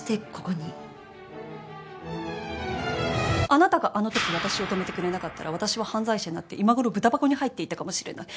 あなたがあのとき私を止めてくれなかったら私は犯罪者になって今頃ブタ箱に入っていたかもしれない。